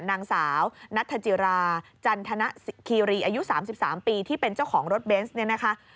นางสาวนัทจิราจันทนคีรีอายุ๓๓ปีที่เป็นเจ้าของรถเบนส์เนี่ยนะคะ